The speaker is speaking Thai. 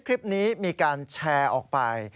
คลิปนี้มีการแชร์ออกไป